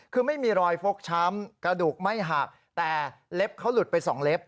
คือไม่มีรอยฟกช้ำกระดูกไม่หักแต่เล็บเขาหลุดไป๒เล็บ